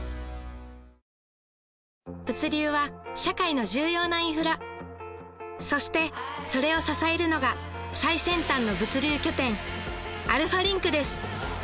物流は社会の重要なインフラそしてそれを支えるのが最先端の物流拠点アルファリンクです